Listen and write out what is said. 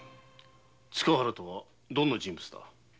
塚原とはどんな人物だ？